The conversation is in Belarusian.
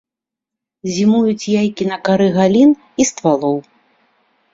Зімуюць яйкі на кары галін і ствалоў.